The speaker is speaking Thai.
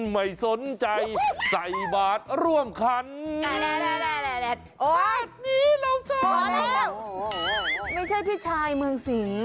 ไม่ใช่อาจชายเมืองสิง